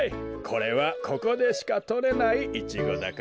これはここでしかとれないイチゴだからね。